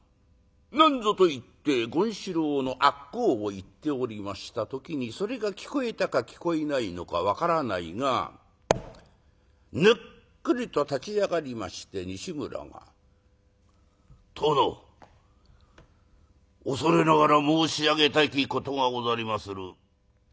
なんぞと言って権四郎の悪口を言っておりました時にそれが聞こえたか聞こえないのか分からないがぬっくりと立ち上がりまして西村が「殿恐れながら申し上げたきことがござりまする」。